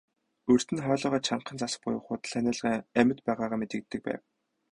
Урьд нь хоолойгоо чангахан засах буюу худал ханиалган амьд байгаагаа мэдэгддэг байв.